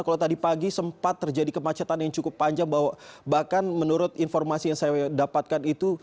kalau tadi pagi sempat terjadi kemacetan yang cukup panjang bahwa bahkan menurut informasi yang saya dapatkan itu